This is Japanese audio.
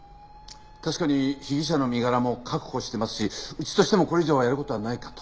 確かに被疑者の身柄も確保してますしうちとしてもこれ以上はやる事はないかと。